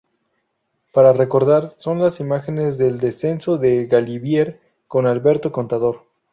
Para recordar, son las imágenes del descenso del Galibier con Alberto Contador.